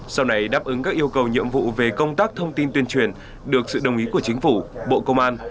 sau này đáp ứng các yêu cầu nhiệm vụ về công tác thông tin tuyên truyền được sự đồng ý của chính phủ bộ công an